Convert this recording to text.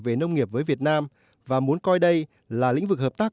về nông nghiệp với việt nam và muốn coi đây là lĩnh vực hợp tác